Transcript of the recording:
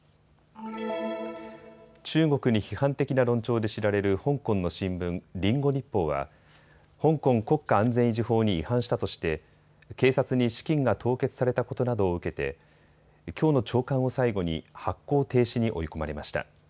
中国に批判的な論調で知られる香港の新聞、リンゴ日報は香港国家安全維持法に違反したとして警察に資金が凍結されたことなどを受けてきょうの朝刊を最後に発行停止に追い込まれました。